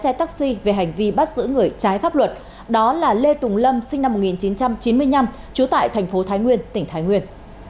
xe taxi về hành vi bắt giữ người trái pháp luật đó là lê tùng lâm sinh năm một nghìn chín trăm chín mươi năm trú tại thành phố thái nguyên tỉnh thái nguyên